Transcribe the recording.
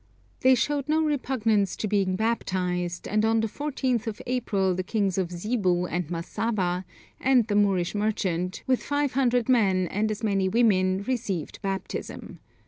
They showed no repugnance to being baptized, and on the 14th of April the kings of Zebu and Massava, and the Moorish merchant, with 500 men and as many women received baptism.